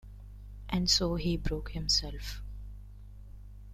And so he broke himself.